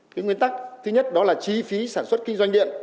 cái nguyên tắc thứ nhất đó là chi phí sản xuất kinh doanh điện